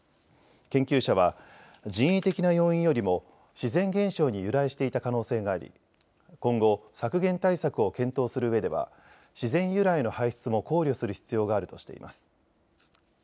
研究者は人為的な要因よりも自然現象に由来していた可能性があり今後、削減対策を検討するうえでは自然由来の排出も考慮する必要があるとしています。